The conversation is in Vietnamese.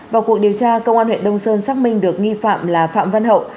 vào cuộc điều tra công an huyện đông sơn xác minh được nghi phạm là phạm văn hậu